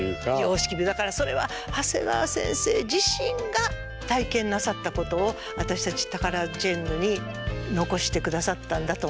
だからそれは長谷川先生自身が体験なさったことを私たちタカラジェンヌに残してくださったんだと思ってます。